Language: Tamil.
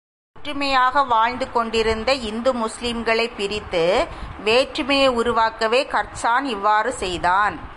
ஒற்றுமையாக வாழ்ந்து கொண்டிருந்த இந்து முஸ்லீம்களைப் பிரித்து வேற்றுமையை உருவாக்கவே கர்சான் இவ்வாறு செய்தான்.